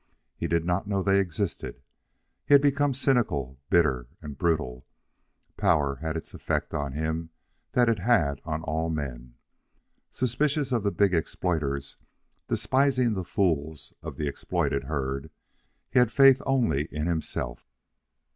He did not know they existed. He had become cynical, bitter, and brutal. Power had its effect on him that it had on all men. Suspicious of the big exploiters, despising the fools of the exploited herd, he had faith only in himself.